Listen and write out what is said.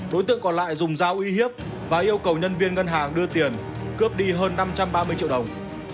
đối tượng còn lại dùng dao uy hiếp và yêu cầu nhân viên ngân hàng đưa tiền cướp đi hơn năm trăm ba mươi triệu đồng